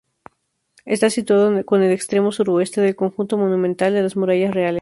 Está situado en el extremo suroeste del Conjunto Monumental de las Murallas Reales.